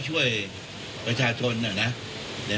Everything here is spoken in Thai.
เมื่อแปดการเห็นไตรุ่นสั้นไม่มี